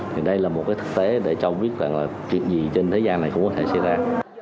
thì đây là một cái thực tế để cho biết rằng là chuyện gì trên thế gian này cũng có thể xảy ra